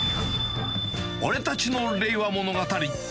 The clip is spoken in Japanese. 俺たちの令和物語。